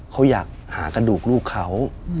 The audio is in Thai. เขาอยากหากระดูกลูกเขา